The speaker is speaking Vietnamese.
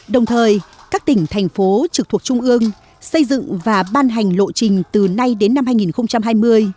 đồng thời các tỉnh thành phố trực thuộc trung ương xây dựng và ban hành lộ trình từ nay đến năm hai nghìn hai mươi